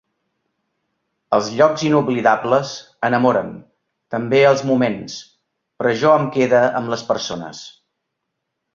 Els llocs inoblidables enamoren, també els moments, però jo em quede amb les persones.